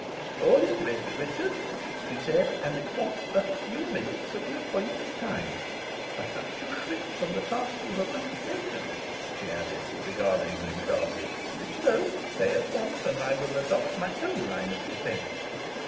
"All is ready, Richard," she said, "and it wants but a few minutes of the appointed time. Perhaps you shrink from the task you have undertaken?" she added, regarding him sharply; "if so, say so at once, and I will adopt my own line of defence."